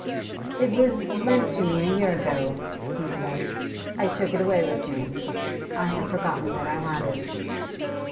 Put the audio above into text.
'It was lent to me a year ago,' he said. 'I took it away with me. I had forgotten that I had it.